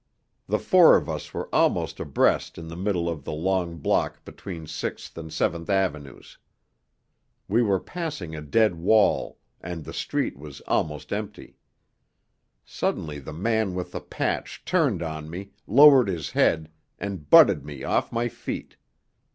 The four of us were almost abreast in the middle of the long block between Sixth and Seventh Avenues. We were passing a dead wall, and the street was almost empty. Suddenly the man with the patch turned on me, lowered his head, and butted me off my feet.